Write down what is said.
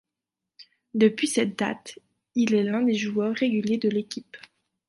Depuis cette date, il est l'un des joueurs réguliers de l'équipe.